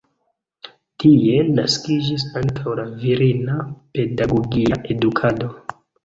Tie naskiĝis ankaŭ la virina pedagogia edukado.